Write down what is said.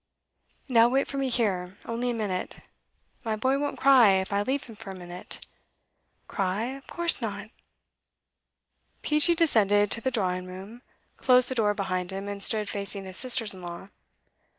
'Now wait for me here only a minute. My boy won't cry, if I leave him for a minute?' 'Cry! of course not!' Peachey descended to the drawing room, closed the door behind him, and stood facing his sisters in law.